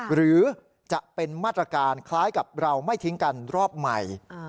หรือจะเป็นมาตรการคล้ายกับเราไม่ทิ้งกันรอบใหม่